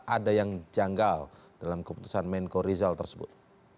ada yang janggal dalam keputusan menko rizal tersebut